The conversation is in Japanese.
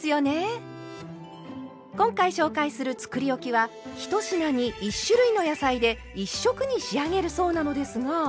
今回紹介するつくりおきは１品に１種類の野菜で１色に仕上げるそうなのですが。